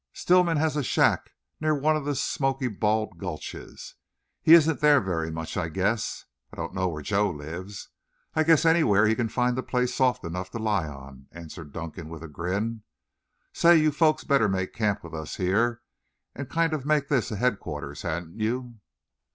"Stillman has a shack near one of the Smoky Bald's gulches. He isn't there very much, I guess. I don't know where Joe lives. I guess anywhere he can find a place soft enough to lie on," answered Dunkan with a grin. "Say, you folks better make camp here with us and kind of make this a headquarters, hadn't you?"